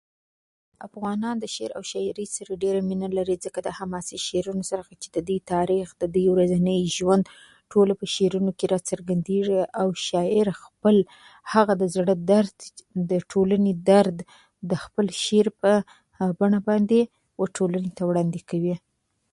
ځینې کلمې د نوي پښتو د بډاينې لپاره بيا را ژوندۍ شوې